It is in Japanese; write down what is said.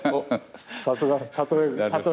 さすが。